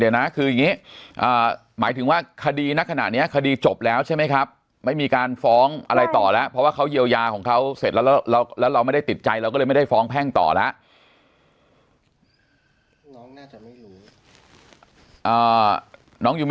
เดี๋ยวนะคืออย่างนี้หมายถึงว่าคดีณขณะนี้คดีจบแล้วใช่ไหมครับไม่มีการฟ้องอะไรต่อแล้วเพราะว่าเขาเยียวยาของเขาเสร็จแล้วแล้วเราไม่ได้ติดใจเราก็เลยไม่ได้ฟ้องแพ่งต่อแล้ว